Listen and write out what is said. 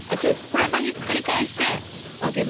フライパンひっくり返してあけるのよ